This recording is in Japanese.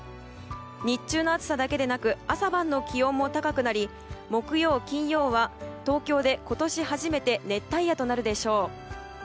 日中の暑さだけでなく朝晩の気温も高くなり木曜、金曜は東京で今年初めて熱帯夜となるでしょう。